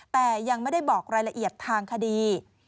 แต่ยังไม่ได้บอกรายละเอียดทางคดี